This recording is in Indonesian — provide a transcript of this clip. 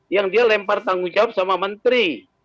yang dia lempar tanggung jawab sama menteri